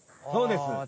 そうです。